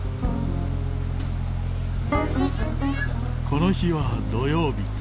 この日は土曜日。